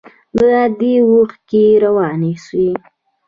د ادې اوښکې روانې سوې.